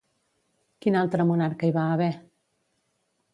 Quin altre monarca hi va haver?